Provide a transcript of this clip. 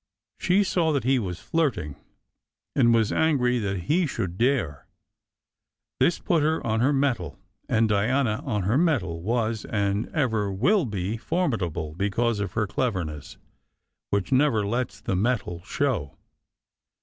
She saw that he was flirting, and was angry that he should dare. This put her on her mettle ; and Diana on her mettle was and ever will be formidable, because of her cleverness, which never lets the mettle show.